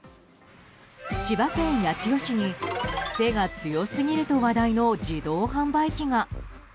千葉県八千代市に癖が強すぎると話題の自動販売機が。